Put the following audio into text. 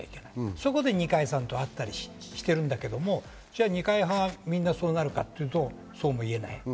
そこで二階さんと会ったりしているんだけど、じゃあ二階派はみんなそうなるかといえば、そうとも言えない。